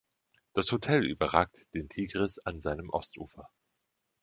Das Hotel überragt den Tigris an seinem Ostufer.